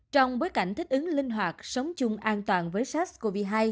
trong bối cảnh thích ứng linh hoạt sống chung an toàn với sars cov hai